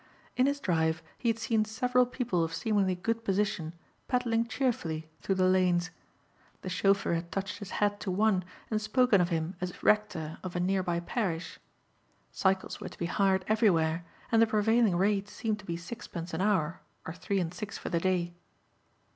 In his drive he had seen several people of seemingly good position pedalling cheerfully through the lanes. The chauffeur had touched his hat to one and spoken of him as rector of a nearby parish. Cycles were to be hired everywhere and the prevailing rate seemed to be sixpence an hour or three and six for the day.